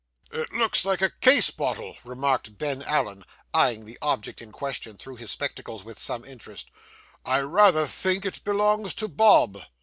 'It looks like a case bottle;' remarked Ben Allen, eyeing the object in question through his spectacles with some interest; 'I rather think it belongs to Bob.